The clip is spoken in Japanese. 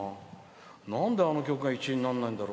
なんであの曲が１位にならないんだろう？